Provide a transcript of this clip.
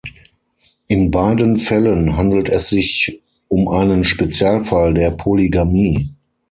In beiden Fällen handelt es sich um einen Spezialfall der Polygamie.